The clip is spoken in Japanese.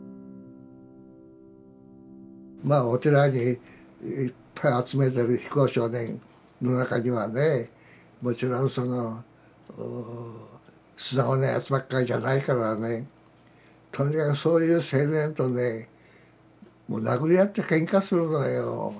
まあお寺にいっぱい集めてる非行少年の中にはねもちろんその素直なやつばっかりじゃないからねとにかくそういう青年とねもう殴り合ってケンカするのよ。